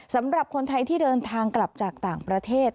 สำหรับคนไทยที่เดินทางกลับจากต่างประเทศ